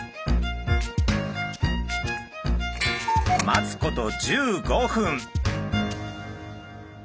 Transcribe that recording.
待つこと１５分。